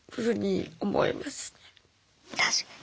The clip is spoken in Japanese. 確かに。